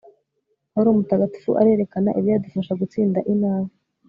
pawulo mutagatifu arerekana ibyadufasha gutsinda inabi